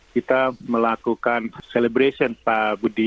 kita melakukan celebration pak budi